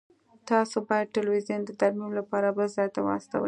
تاسو باید تلویزیون د ترمیم لپاره بل ځای ته واستوئ